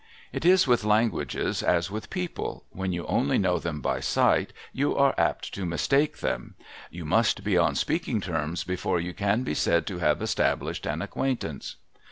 It is with languages as with people, — when you only know them by sight, you are apt to mistake them ; you must be on speaking terms before you can be said to have established an acquaintance.